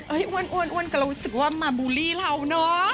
เอ้ยอ้วนก็รู้สึกว่ามาบูรีเราเนาะ